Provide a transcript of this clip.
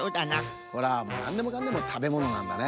こらなんでもかんでもたべものなんだね